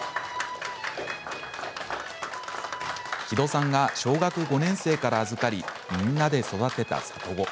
木戸さんが小学５年生から預かりみんなで育てた里子。